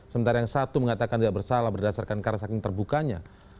sementara yang satu mengatakan tidak bersalah berdasarkan karasaking terbukanya